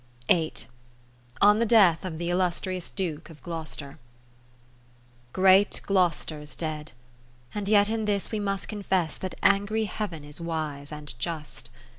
(5.0 On the Death of the Illus trious Duke of Glouces ter Great Glou'ster's dead! and yet in this we must Confess that angry Heaven is wise and just.